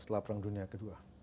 setelah perang dunia ke dua